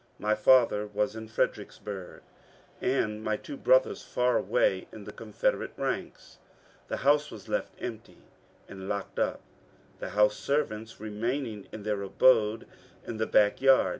My father was in Fredericksburg, and my two brothers far away in the Confederate ranks. The house was left empty uid locked up, the house servants remaining in their abode in the back yard.